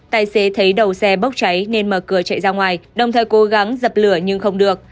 tài xế thấy đầu xe bốc cháy nên mở cửa chạy ra ngoài đồng thời cố gắng dập lửa nhưng không được